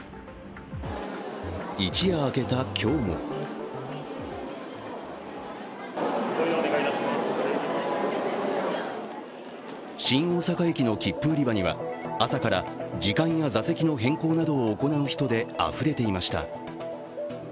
一夜明けた今日も新大阪駅の切符売り場には朝から時間や座席の変更などを行う人であふれていました。